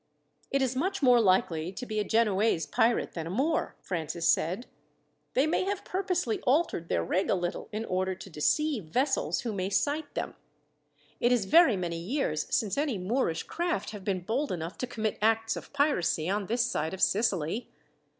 "It is much more likely to be a Genoese pirate than a Moor," Francis said. "They may have purposely altered their rig a little, in order to deceive vessels who may sight them. It is very many years since any Moorish craft have been bold enough to commit acts of piracy on this side of Sicily.